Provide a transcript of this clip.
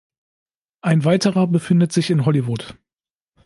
Ein weiterer befindet sich in Hollywood.